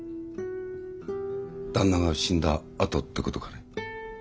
旦那が死んだあとって事かい？